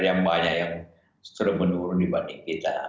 yang banyak yang sudah menurun dibanding kita